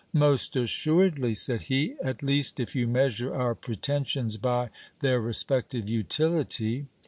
Most assuredly, said he ; at least, if you measure our pretensions by their respective utility.